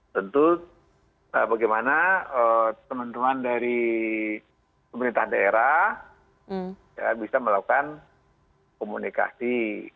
tentu bagaimana teman teman dari pemerintah daerah bisa melakukan komunikasi